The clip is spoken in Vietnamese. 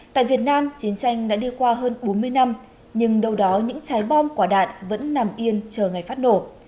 tại việt nam chiến tranh đã đi qua hơn bốn mươi năm nhưng đâu đó những trái bom quả đạn vẫn nằm yên chờ ngày phát nổ